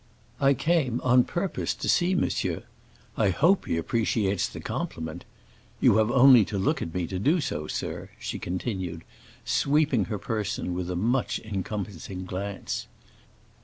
"I came on purpose to see monsieur. I hope he appreciates the compliment. You have only to look at me to do so, sir," she continued, sweeping her person with a much encompassing glance.